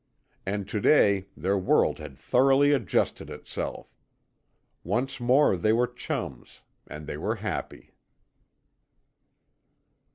And to day their world had thoroughly adjusted itself. Once more they were chums and they were happy.